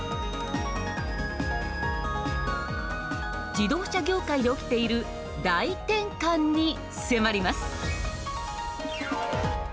自動車業界で起きている大転換に迫ります。